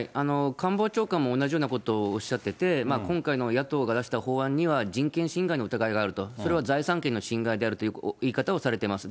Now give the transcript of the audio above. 官房長官も同じようなことをおっしゃってて、今回の野党が出した法案には、人権侵害の疑いがあると、それは財産権の侵害であるというような言い方をされてます。